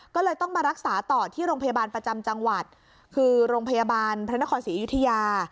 ก็เลยต้องมารักษาต่อที่โรงพยาบาลประจำจังหวัดคือโรงพยาบาลพระนครศรีอยุธยา